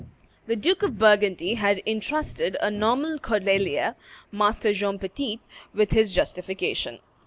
The Duke of Burgundy had intrusted a Norman Cordelier, Master John Petit, with his justification.